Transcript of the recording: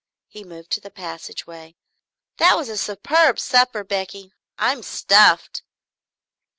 He moved to the passageway. "That was a superb supper, Becky. I'm stuffed."